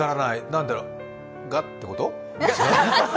何だろう、「がっ」てこと？